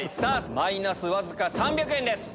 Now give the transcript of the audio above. マイナスわずか３００円です。